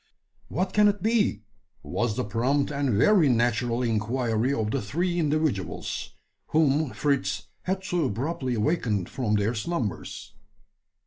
"What can it be?" was the prompt and very natural inquiry of the three individuals, whom Fritz had so abruptly awakened from their slumbers.